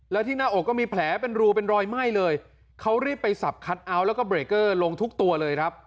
แล้วที่หน้าอกก็มีแผลเป็นรูเป็นรอยไหม้เลยเขารีบไปสับคัทเอาท์แล้วก็เบรกเกอร์ลงทุกตัวเลยครับ